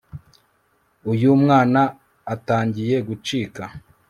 uyu mwana atangiye gucika